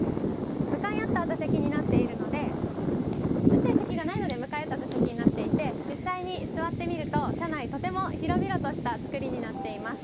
向かい合った座席になっているので運転席がないので向かい合った座席になっていて実際に座ってみると、車内とても広々とした作りになっています。